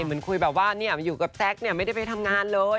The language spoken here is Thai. เหมือนคุยแบบว่าอยู่กับแซคไม่ได้ไปทำงานเลย